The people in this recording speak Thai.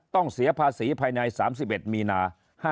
ต้องเสียภาษีภายใน๓๑มีนา๕๗